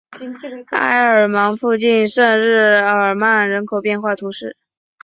埃尔芒附近圣日耳曼人口变化图示